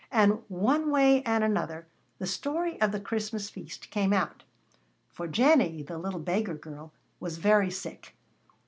And one way and another, the story of the Christmas feast came out. For Jennie, the little beggar girl, was very sick.